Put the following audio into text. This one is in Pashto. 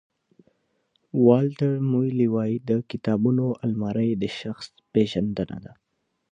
والټر مویلي وایي د کتابونو المارۍ د شخص پېژندنه ده.